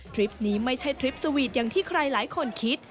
คลิปนี้ไม่ใช่ทริปสวีทอย่างที่ใครหลายคนคิด